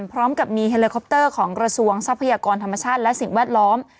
พร้อมกับมีเฮลิคอปเตอร์ของกระทรวงทรัพยากรธรรมชาติและสิ่งแวดล้อม